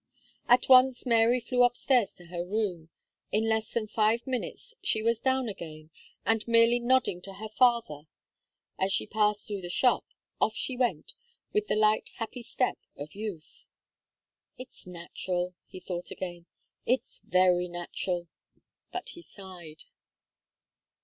At once, Mary flew upstairs to her room. In less than five minutes, she was down again, and merely nodding to her father as she passed through the shop, off she went, with the light, happy step of youth. "It's natural," he thought again, "it's very natural," but he sighed.